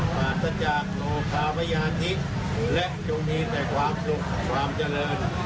ปราศจากโลกาพญาธิกและจงมีแต่ความสุขความเจริญ